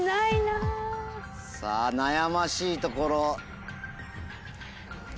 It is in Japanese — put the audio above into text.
さぁ悩ましいところ。